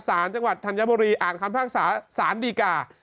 ศาสตร์จังหวัดธัญบุรีอ่านคำภาคศาสตร์ศาสตร์ดีก่า